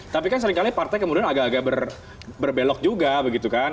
tapi kan seringkali partai kemudian agak agak berbelok juga begitu kan